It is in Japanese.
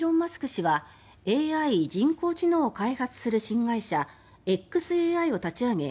氏はＡＩ・人工知能を開発する新会社ｘＡＩを立ち上げ